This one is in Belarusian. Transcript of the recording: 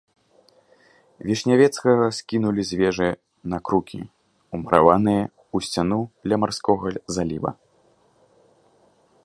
Вішнявецкага скінулі з вежы на крукі, умураваныя ў сцяну ля марскога заліва.